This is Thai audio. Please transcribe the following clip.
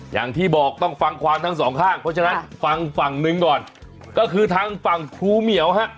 อย่างที่บอกต้องฟังความทั้งสองข้างเพราะฉะนั้นฟังฝั่งหนึ่งก่อนก็คือทางฝั่งครูเหมียวฮะ